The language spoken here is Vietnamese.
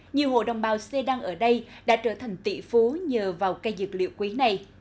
nhiều hộ đồng bào xê đăng ở đây đã trở thành tỷ phú nhờ vào cây dược liệu quý này